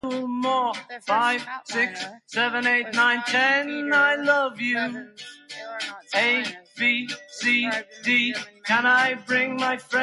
The first hotliner was Hans-Dieter Levin's "Aeronaut Sinus", described in a German magazine.